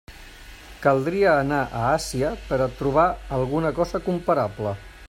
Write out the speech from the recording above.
Caldria anar a Àsia per a trobar alguna cosa comparable.